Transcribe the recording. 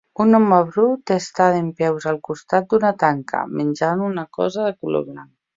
Un home brut està dempeus al costat d'una tanca, menjant una cosa de color blanc.